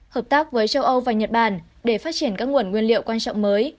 hợp tác với châu âu và nhật bản để phát triển các nguồn nguyên liệu quan trọng mới